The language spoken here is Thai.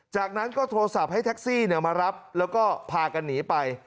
จากนั้นก็โทรศัพท์ให้แท็กซี่มารับแล้วก็พากันหนีไป